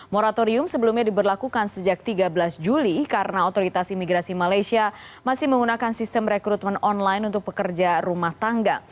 moratorium sebelumnya diberlakukan sejak tiga belas juli karena otoritas imigrasi malaysia masih menggunakan sistem rekrutmen online untuk pekerja rumah tangga